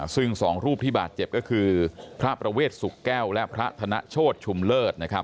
ซึ่งสองรูปที่บาดเจ็บก็คือพระประเวทสุกแก้วและพระธนโชธชุมเลิศนะครับ